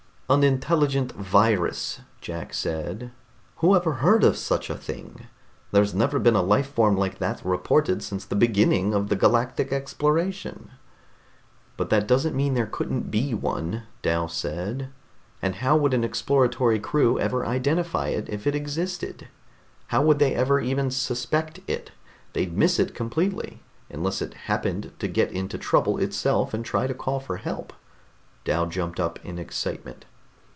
"An intelligent virus?" Jack said. "Who ever heard of such a thing? There's never been a life form like that reported since the beginning of the galactic exploration." "But that doesn't mean there couldn't be one," Dal said. "And how would an exploratory crew ever identify it, if it existed? How would they ever even suspect it? They'd miss it completely unless it happened to get into trouble itself and try to call for help!" Dal jumped up in excitement.